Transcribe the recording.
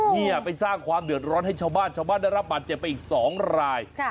นี่ไปสร้างความเดือดร้อนให้ชาวบ้านชาวบ้านได้รับบาดเจ็บไปอีก๒ราย